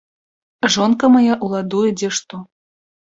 Жонка мая ўладуе дзе што.